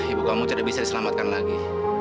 ibu kamu tidak bisa diselamatkan lagi